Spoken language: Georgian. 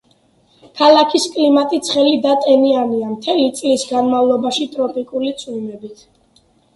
ქალაქის კლიმატი ცხელი და ტენიანია, მთელი წლის განმავლობაში ტროპიკული წვიმებით.